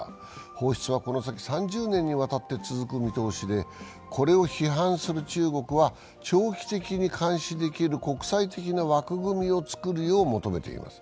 放出はこの先３０年にわたって続く見通しでこれを批判する中国は長期的に監視できる国際的な枠組みを作るよう求めています。